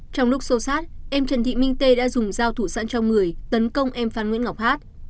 trong lúc sâu sát em trần thị minh tê đã dùng dao thủ sẵn trong người tấn công em phan nguyễn ngọc hát